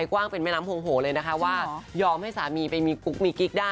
คนลอสิทหาร